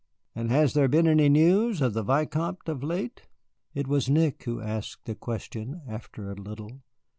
"And has there been any news of the Vicomte of late?" It was Nick who asked the question, after a little.